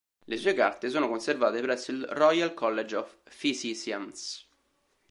Le sue carte sono conservate presso il Royal College of Physicians.